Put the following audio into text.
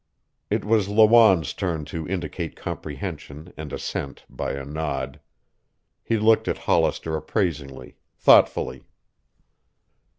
It was Lawanne's turn to indicate comprehension and assent by a nod. He looked at Hollister appraisingly, thoughtfully.